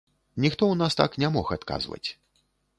Ніхто ў нас так не мог адказваць.